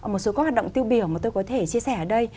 một số các hoạt động tiêu biểu mà tôi có thể chia sẻ ở đây